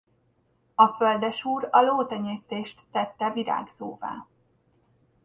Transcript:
A földesúr a lótenyésztést tette virágzóvá.